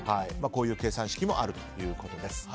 こういう計算式もあるということです。